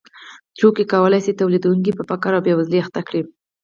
توکي کولای شي تولیدونکی په فقر او بېوزلۍ اخته کړي